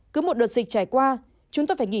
cứ một đợt dịch trải qua chúng tôi phải nghĩ